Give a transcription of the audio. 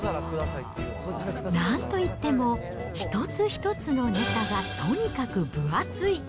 なんといっても、一つ一つのネタがとにかく分厚い。